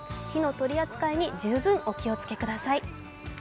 火の取り扱いに十分お気をつけください。